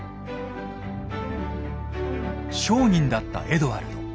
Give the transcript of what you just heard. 商人だったエドワルド。